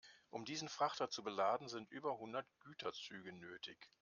Um diesen Frachter zu beladen, sind über hundert Güterzüge nötig.